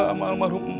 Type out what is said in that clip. sama almah rumah